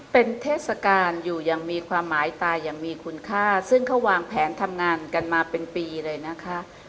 เป็นเทศกาลอยู่อย่างมีความหมายตายอย่างมีคุณค่าซึ่งเขาวางแผนทำงานกันมาเป็นปีเลยนะคะ